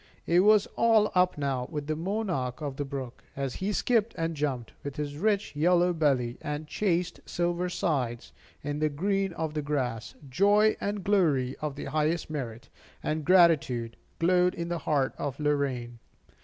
It was all up now with the monarch of the brook. As he skipped and jumped, with his rich yellow belly, and chaste silver sides, in the green of the grass, joy and glory of the highest merit, and gratitude, glowed in the heart of Lorraine.